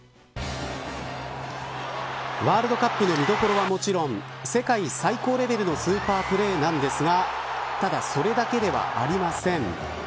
ワールドカップの見どころはもちろん世界最高レベルのスーパープレーなんですがただ、それだけではありません。